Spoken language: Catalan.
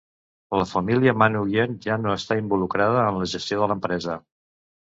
La família Manoogian ja no està involucrada en la gestió de l'empresa.